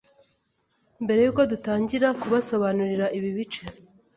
Mbere yuko dutangira kubasobanurira ibi bice